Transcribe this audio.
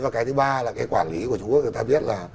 và cái thứ ba là cái quản lý của trung quốc người ta biết là